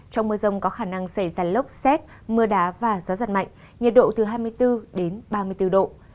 trong mưa rông có khả năng xảy ra lốc xét mưa đá và gió giật mạnh nhiệt độ từ hai mươi bốn đến ba mươi bốn độ